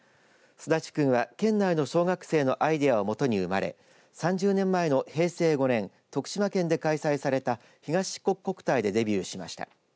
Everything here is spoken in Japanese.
すだちくんは県内の小学生のアイデアをもとに生まれ３０年前の平成５年徳島県で開催された東四国国体でデビューしました。